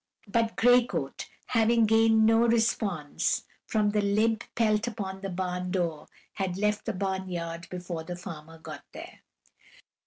But Gray Coat, having gained no response from the limp pelt upon the barn door, had left the barn yard before the farmer got there.